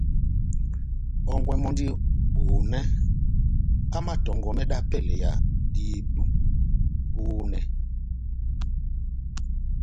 Hɔ́ngwɛ mɔndi ohonɛ amatɔngɔmɛ dá pɛlɛ ya dihedu ohonɛ.